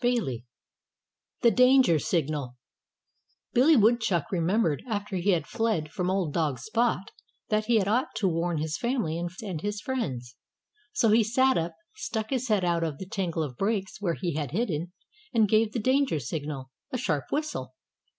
'" XVII THE DANGER SIGNAL Billy Woodchuck remembered, after he had fled from old dog Spot, that he ought to warn his family and his friends. So he sat up, stuck his head out of the tangle of brakes where he had hidden, and gave the danger signal, a sharp whistle.